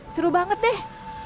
seru banget deh